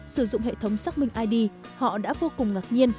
sử dụng hệ thống xác minh id họ đã vô cùng ngạc nhiên